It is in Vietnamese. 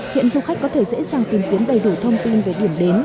hiện du khách có thể dễ dàng tìm kiếm đầy đủ thông tin về điểm đến